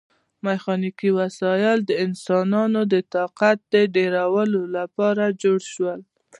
میخانیکي وسایل د انسانانو د طاقت ډیرولو لپاره جوړ شول.